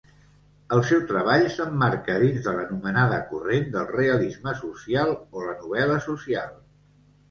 El seu treball s'emmarca dins de l'anomenada corrent del realisme social o la novel·la social.